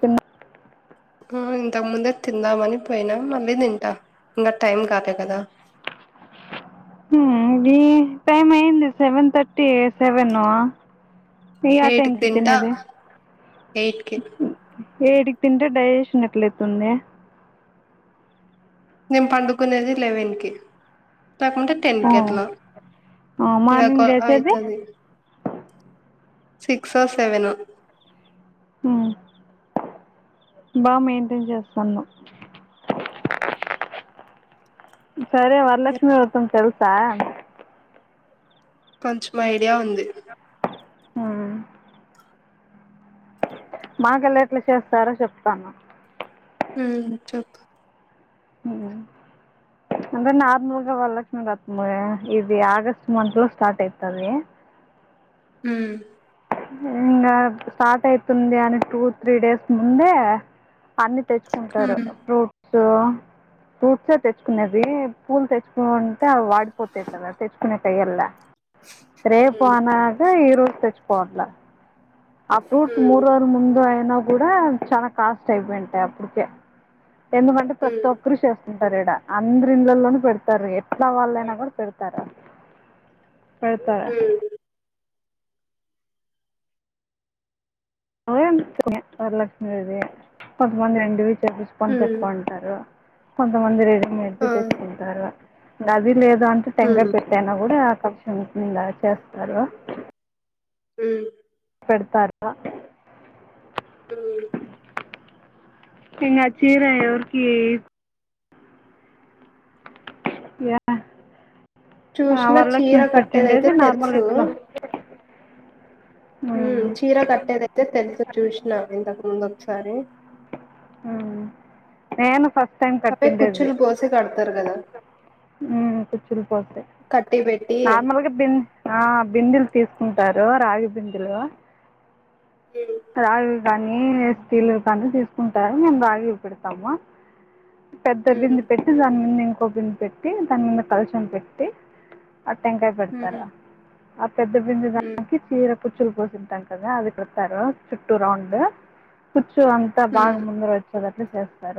తిన్న ఆ ఇంత ముందే తిందామని. పోయిన మళ్లీ తింటానా ఇంకా టైం కాలే కదా, హ అండి ఈ టైమ్ అయింది సెవెన్ థర్టీ సేవను, ఎయిట్ కి తింటా ఎయిటికి, ఎయిట్ కి తింటే డయూషన్ ఎట్ల అతుంది, మేము పండుకునేదే లెవెన్ కి లేకుంటే టెన్ ఓ, కేట్ల ఆ, ఇంక మార్నింగ్ లేచేది అయితది సిక్స్ సెవెనో, బాగా మెయింటైన్ చేస్తున్నావ్, సరే వరలక్ష్మీ వ్రతం తెలుసా, సా కొంచెం ఐడియా ఉంది, హ్మ్. మాకేలి ఎట్లా చేస్తారో చెప్తాను, హు చెప్పు, అదే నార్మల్ గా వరలక్ష్మీ వ్రతం ఇది ఆగస్టు మంత్ లో స్టార్ట్ అయితది, హు ఇంగా స్టార్ట్ అవుతుందని త్రీ టూ డేస్ ముందే అన్ని తెచ్చుకుంటారు ఉమ్ ఫ్రూట్స్, సో ఫ్రూట్సే తెచ్చుకునేది పూలు తెచ్చుకు ఉంటే అవి వాడిపోతాయి కదా తెచ్చుకునే య్యల్లా, రేపు ఉమ్ అనగా ఈరోజు తెచ్చు, పోట్లా అ ఫ్రూట్స్ ఉమ్ మూడు రోజుల ముందు అయినా, కూడా చాల కాస్ట్ అయిపోయింటాయి అప్పటికే, ఎందుకంటే ఉమ్ ప్రతి ఒక్కరు చేసు, పెడతారు ఈడ అందరూ. ఇండ్లలో ను కూడా పెడతారు ఈడ ఎట్లా వాళ్లయినా పెడతారు, పెడతారు ఉమ్ ఓయనే [unintelligible] కొంతమంది ఇండివిజల్ చూసుకొని ఉమ్ పెట్టుకుంటారు కొంతమంది రెడీ ఎద్దు ఆ తెచ్చుకుంటారు దాది లేప్ దానికి ఉమ్ తెంగా ఉమ్ పెట్టేనా కూడా కషన్స్ ఎలా చేస్తారో ఉ పెడతారా ఉమ్ నిన్న చీర ఎవరికీ యా ఆ చూసినా చీర వరలక్ష్మికి కట్టేదయితే పెట్టిండేది నార్మల్ తెలుసు ఇంట్లో ఉ ఉమ్, చీర కట్టేదయితే తెలుసు చూసినా ఇంతకు ముందు ఒకసారి ఆ నేను ఫస్ట్ టైం అవే కుచ్చులు పోసి కడతారు కదా ఊ కుచులు పోసే కట్టి పెట్టి నార్మల్గా బింద్ ఆ బిందల్ కి తీసుకుంటారు రాగిబిందులు రాగి కానీ స్టీల్ కానీ తీసుకుంటారు మేము రాగి పెడతాము పెద్ద హ్మ్ బింది పెట్టి దాన్ని ఇం కోబింది పెట్టి దాని మీద కల్చం పెట్టి ఆడ టెన్కాయ పెడతారు హ్మ్ అ పెద్ద బింది హ్మ్ దానికి చీర కుచ్చులు పోసింటాం కదా అది కొడత చుట్టూ రౌండ్ కుచ్ చ్చు అంతా హ్మ్ బాగా ముందర వచ్చద చేస్తార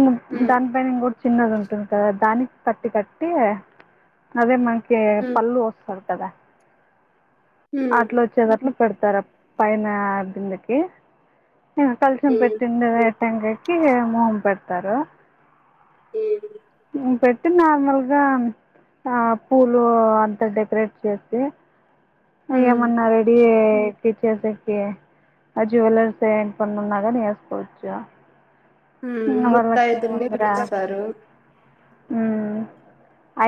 గ్ హ్మ్ దాని ప ఇకోడ్ చిన్నది ఉంటుంది కదా దానికి కట్టి కట్టి అదే మనకి ఏ హ్మ్ పల్లు వస్ సర్ కదా హ్మ్ అట్లా వచ్చేది అట్లు పెడతారా పైన బిందకి కలుసం హ్మ్ పెట్టిండ ంగకి మొహం పెడతారు పె నార్మల్గా పూలు అంతా డెకరేట్ చేసి హ్మ్ ఏమన్నా రెడీ టీచర్స్ డేకి ఆ జ్యువెలర్స్ వేసుకోమన్న కూడా వేసుకోవఛా ఊ ముత్తాయిదుల్ని పిలుస్తారు ఆ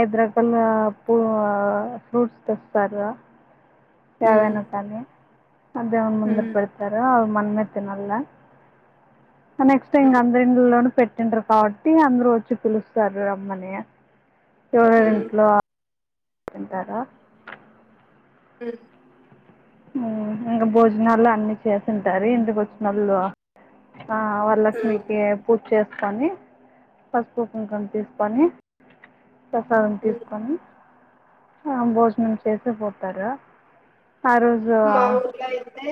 ఐదు రకాల పూ ఫ్రూట్స్ తెస్తారు హ్మ్ సెవెన్ ఉండాలి అ దైవం ముందర హ్మ్ పెడతారా మనమే తినలే నెక్స్ట్ ఇంక హ్మ్ అందరి ఇండ్లలోనూ పెట్ పట్టంటారు కాబట్టి అందరూ వచ్చి పిలుస్తారు రమ్మని చూడరి హ్మ్ ఇంట్లో తింటారా హమ్ ఇంకా భోజనాలు అన్ని చేసింటారు ఇంటికి వచ్చినోళ్ళు ఆ హ్మ్ వరలక్ష్మికీ పూ చేసుకొని పసుపు కుంకుమ తీసుకొనీ ప్రసాదం హ్మ్ తీసుకొని ఆ భోజనం చేసే పోతారు ఆ రోజు మాములుగా అయితే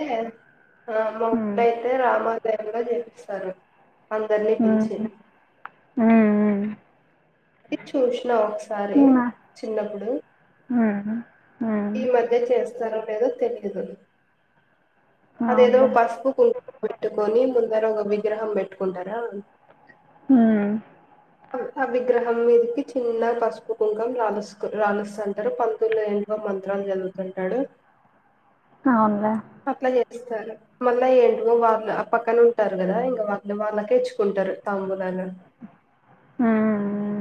ఆ మా ఊర్లో మ్మ్. అయితే రామ గ్రాండ్ గా చేపిస్తారు అందరినీ పిలిచి ఉమ్ ఉమ్ అది చూసినా ఒకసారి చిన్నప్పుడు ఉమ్ ఈ మధ్య చేస్త స్తారో లేదో తెలీదు అదేదో అవునులే పసుపు కుంకుమ పెట్టుకొని ముందర ఒక విగ్రహం పెట్టుకుంటారా ఉమ్ అ విగ్రహం మీదకి చిన్న పసుపు కుంకం రాలస్కూ రాలిస్తుంటారు పంతుల్లో ఎంవో మంత్రాలు చదువుతుంటాడు అవున్లే ఇస్తారు మళ్ళా ఏంటో వాళ్ళు ఆ పక్కన ఉంటారు గదా ఇంకా వాళ్ళు వాళ్ళకే ఇచ్చుకుంటారు తంబులాలు. హ్మ్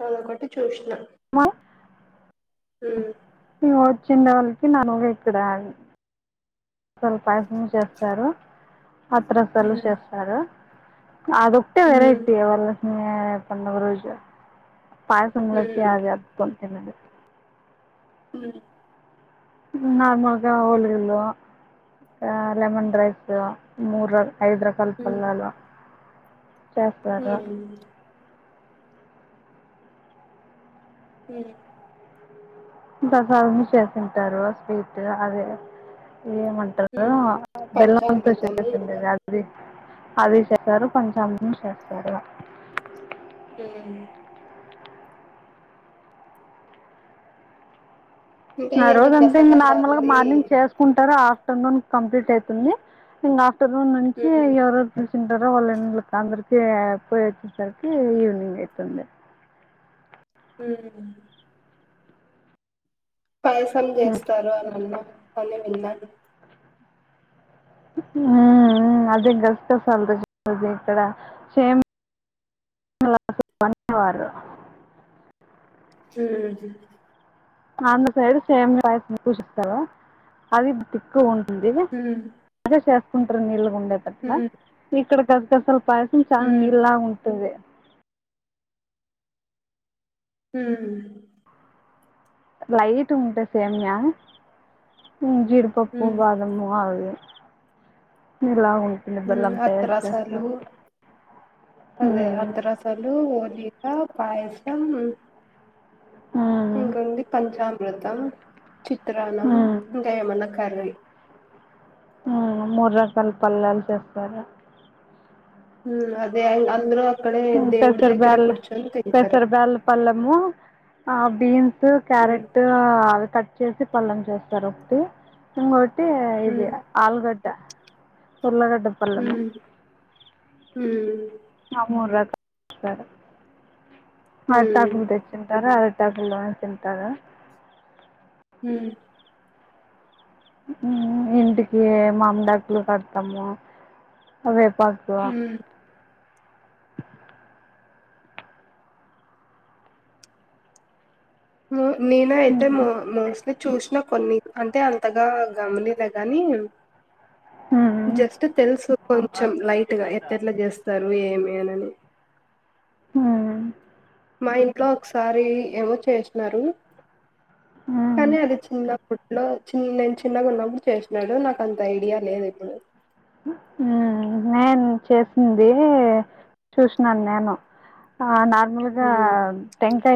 పలకొట్టి చూస్ వా ఉమ్ ఇగ చిన్న వాళ్ళకి న నువెక్కడా అని అసల్ పాయసం చేస్తారు. అతిరసాలు ఉమ్ చేస్తారు. అదొక్టా వెరైటీ వాల్ పండుగ రోజు పాయసం ఉమ్ [inaudible] తినదు. హ్మ్ నార్మల్గా [inaudible] ఇంకా లెమన్ రైసు ము ఐదు రకాల ఉమ్ పళ్లాళ్ళు [unintelligible] ఏ ప్రసాదం చేసుంటారు స్వీట్ అదే ఏమంటారు ఉమ్ బెల్లంతో పంచామృతము చేసిందేగా అది అది చేస్తారు కొంచం చేస్తారు. ఉమ్ ఇంకా ఆ ఏందో రోజంతా ఇంకా నార్మల్గా గసగసాలుది మార్నింగ్ చేసుకుంటారు. ఆ ఆఫ్టర్నూన్ కంప్లీట్ అయితుంది. న ఆఫ్టర్నూన్ నుంచి ఉమ్ ఎవరెవర్ తింటారా వాళ్ళ ఇళ్ళల్లకి అందరికి పోయి వచ్చేసరికి ఈవినింగ్ అయితుంది. హ్ పాయసాలు ఉమ్, చేస్తారు అనన్న పని విన్నా మ్ మ్ అదే గస్ గసాల ఇక్కడ [inaudible] హ్ ఆంధ్ర సైడ్ సేమియా పాయసం [inaudible] అది థిక్ ఉం ఉమ్ [unintelligible] కుంటరు నీళ్లు [unintelligible] ఇక్కడ గస్ గసాల పాయసం చాలా ఉమ్ నీళ్ళలాగా ఉంటది. హ్ లైట్ ఉంట సేమియా జీడిపప్పు ఉమ్ బాదము ఆవి మీలావు అత్త రసాలు అదే అత్త రసాలు ఇకా పయసం ఇక వంది పంచామృతం చిత్రాన్నం ఇంకా ఏం అన కర్రీ ఆ మూడు రకాల పల్లాలు చేస్తారా హ అదే అందరు పెసర్ బేల్ తింటారు పెసర్ బేల్ పళ్ళము బీన్స్ ఉమ్ క్యారెట్ అవి తట్ చేసి పళ్ళం చేస్తారు ఒకటి ఇంకోటి అే ఇది ఉమ్ ఆలుగడ్డ ఉల్లిగడ్డ పళ్ళము ఉమ్ ఉమ్ ఆ మూరు రకాలు ఉమ్ అరితకులు తెచుంటారు ఆకులు లోని తింటారా హ ఇంటికి మామిడాకులు కడతాము అే పాకు ఉమ్ హ నేన అయితే మో మోస్ట్లీ చూసిన కొన్ని అంటే అంతగా గమనిల కానీ జస్ట్ తెలుసు కొంచెం లైట్గా ఎత్త ఎట్లా జస్ సరు ఏమి అనని అ మా ఇంట్లో ఒకసారి ఏమో చేసన్నారు కానీ అది చిన్న ఇలో చి నేను చిన్నగా ఉన్నప్పుడు చేసాడు నాకు అంత ఐడియా లేదు ఇప్పుడు హ్మ్. నేను చేసింది చూసినాను నేను ఆ నా గా హ్మ్ టం సే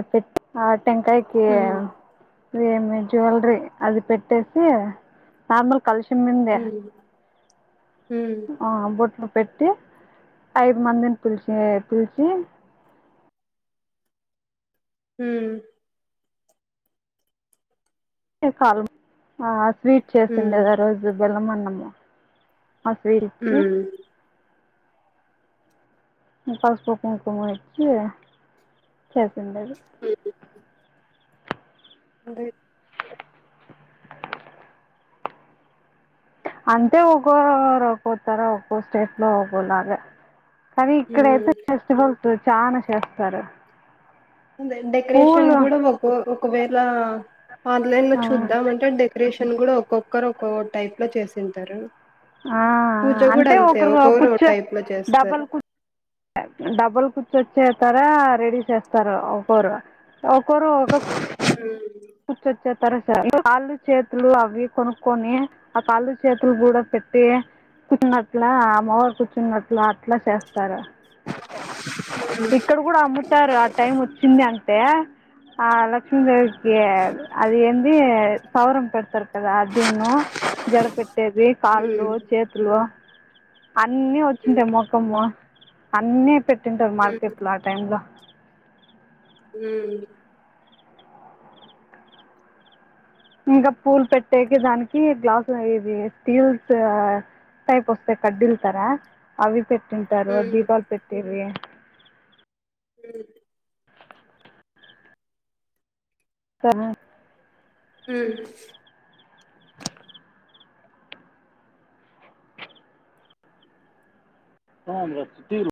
[inaudible] టెంకాయకి హ్మ్ ఏమి జ్యువెలరీ అది పెట్టేసి నార్మల్ కలశం ముందే హ్మ్ హ్మ్ ఆ బోట్లు పెట్టి ఐదు మందిని పీల్చి పిలిచి హమ్ కల్ మవర్ స్వీట్ హ్మ్ చేసిండేది ఆ రోజు బెల్లం ఆనం అవు ఆస్వీరిచి హ్మ్ పసుపు కుంకుమ ఇచ్చి అందరూ [unintelligible] అంతే ఒక్కోరు ఒక్కొతారా [unintelligible] ఉండాలే అది ఇక్కడ హ్మ్. అయితే ఫెస్టివల్ ఇటు చానా చేస్తారు అదే డెకరేషన్ పూలు కూడా మాకు ఒకవేళ ఆన్లైన్ లో ఆ చూద్దాం అంటే డెకరేషన్ కూడా ఒక్కొక్కరు ఒకఒక టైప్ లో చేసింటారు. ఆ పూజ కూడా అంటే అంతే ఒకరు ఒక్కొరు కూర్చో టైప్ లో డబల్ చేస్తారు కుచ్ డబ్బుల్ కూర్చు వచ్చే తార రెడీ చేస్తారో ఒకొరు ఒకొరు ఒక్ హమ్ [unintelligible] కాళ్ళు చేతులు అవి కొనుక్కక్కొని ఆ కాళ్లుు చేతులు కూడా పెట్టి కూచున్నట్లా అమ్మవారు కూర్చున్నట్ల అట్లా చేస్తారు ఇక్కడ కూడా అమ్ముతారు ఆ టైం వచ్చింది అత్ దయా ఆ లక్ష్మీదేవి [unintelligible] అది ఎంది సౌరం పెడతారు కదా అదేనా జడపెట్ వట్టేవి కాళ్ళు ఉమ్ చేతులు అన్నీ వచ్చీ ఉంటాయి ముఖము అన్ని పెట్టింటారు ఉమ్ మార్కెట్ లో ఆ టైమ్ లో ఉమ్ ఇంకా పూల్ పెట్టేకి దానికి గ్లాస్, ఇది స్టీల్స్ టైప్ వస్తాయి కడ్డలు కథ అవి పెట్ తింటారు ఉమ్ దీపాలు పెట్టేవి ఉమ్ [unintelligible] ఉమ్ ఆ చిట్టీలు